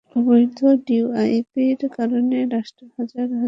অবৈধ ভিওআইপির কারণে রাষ্ট্র হাজার হাজার কোটি টাকার রাজস্ব থেকে বঞ্চিত হচ্ছে।